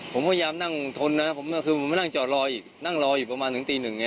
ผมพยายามนั่งทนนะผมก็คือผมมานั่งจอดรออีกนั่งรออยู่ประมาณถึงตีหนึ่ง